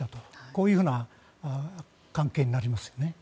こういうふうな関係になります。